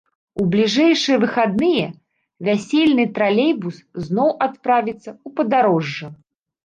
У бліжэйшыя выхадныя вясельны тралейбус зноў адправіцца ў падарожжа.